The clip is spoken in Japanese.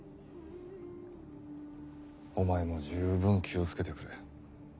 お前も十分気を付けてくれ。